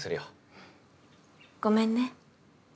うんごめんね。